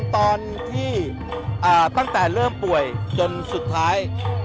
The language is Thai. ตอนที่ตั้งแต่เริ่มป่วยจนสุดท้าย